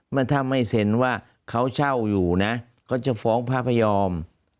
ถ้าไม่เซ็นว่าเขาเช่าอยู่นะเขาจะฟ้องพระพยอม